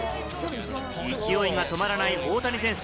いきおいが止まらない大谷選手。